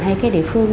hay cái địa phương